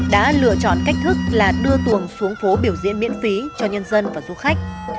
đã lựa chọn cách thức là đưa tuồng xuống phố biểu diễn miễn phí cho nhân dân và du khách